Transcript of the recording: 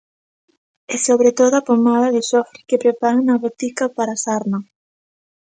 E sobre todo a pomada de xofre que preparan na botica para a sarna.